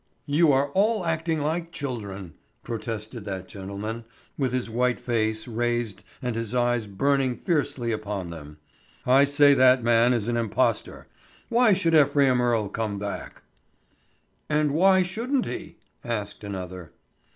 "You are all acting like children!" protested that gentleman, with his white face raised and his eyes burning fiercely upon them. "I say that man is an impostor! Why should Ephraim Earle come back?" "And why shouldn't he?" asked another.